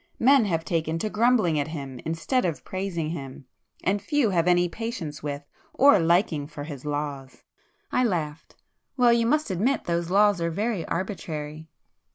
Men have taken to grumbling at Him instead of praising Him,—and few have any patience with or liking for His laws." I laughed. "Well, you must admit those laws are very arbitrary!"